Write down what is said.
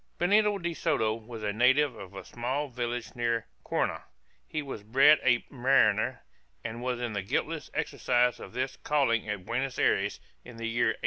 Benito de Soto was a native of a small village near Courna; he was bred a mariner, and was in the guiltless exercise of his calling at Buenos Ayres, in the year 1827.